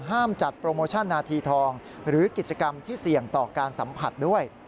ห้ามจัดโปรโมชั่นนาทีทองหรือกิจกรรมที่เสี่ยงต่อการสัมผัสด้วย